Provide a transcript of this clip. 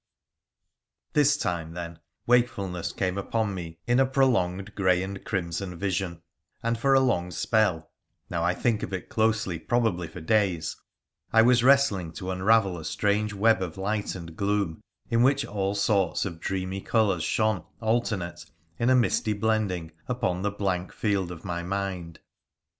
This time, then, wakefulness came upon me in a prolonged grey and crimson vision ; and for a long spell — now I think of it closely — probably for days, I was wrestling to unravel a strange web of light and gloom, in which all sorts of dreamy colours shone alternate in a misty blending upon the blank field of my mind.